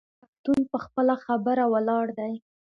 پښتون په خپله خبره ولاړ دی.